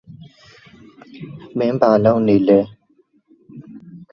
Liu also put on of muscle for the role.